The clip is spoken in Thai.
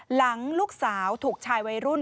หลังลูกสาวถูกชายวัยรุ่น